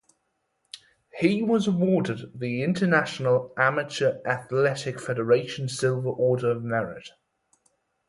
He was awarded the International Amateur Athletic Federation Silver Order of Merit.